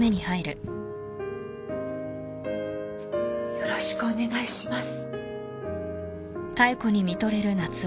よろしくお願いします。